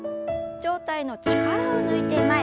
上体の力を抜いて前。